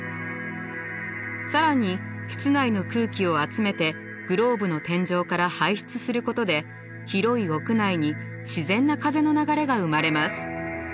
更に室内の空気を集めてグローブの天井から排出することで広い屋内に自然な風の流れが生まれます。